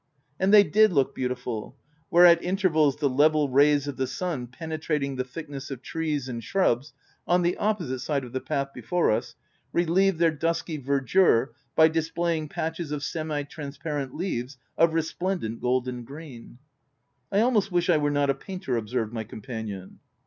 And they did look beautiful, where at inter vals the level rays of the sun penetrating the thickness of trees and shrubs on the opposite side of the path before us, relieved their dusky verdure by displaying patches of semitrans parent leaves of resplendent golden green. " I almost wish I were not a painter/' ob served my companion.